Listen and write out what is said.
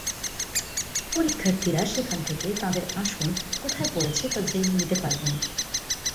পরীক্ষার্থীরা সেখান থেকে তাঁদের আসন কোথায় পড়েছে তা জেনে নিতে পারবেন।